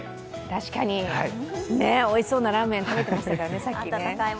確かに、おいしそうなラーメンさっき食べてましたからね。